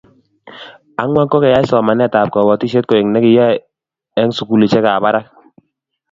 Angwan ko keyai somanetab kobotisiet koek nekiyaei eng sukulisiekap barak